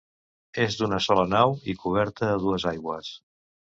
És d'una sola nau i coberta a dues aigües.